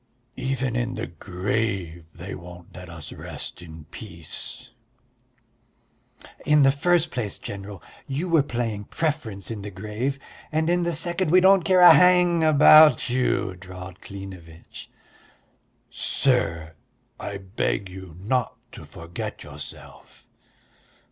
"Even in the grave they won't let us rest in peace." "In the first place, General, you were playing preference in the grave, and in the second we don't care a hang about you," drawled Klinevitch. "Sir, I beg you not to forget yourself."